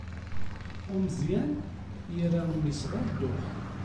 Umeẓyan yerra mmi-s ɣer dduḥ.